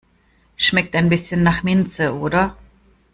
Schmeckt ein bisschen nach Minze, oder?